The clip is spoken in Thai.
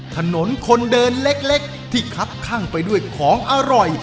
ถนนคนเดินเล็กที่คับข้างไปด้วยของอร่อย